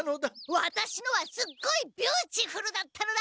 ワタシのはすっごいビューチフルだったのだ！